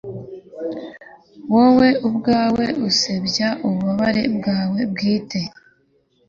wowe ubwawe, usebya ububabare bwawe bwite